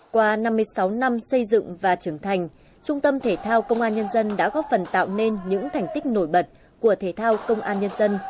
qua năm mươi sáu năm xây dựng và trưởng thành trung tâm thể thao công an nhân dân đã góp phần tạo nên những thành tích nổi bật của thể thao công an nhân dân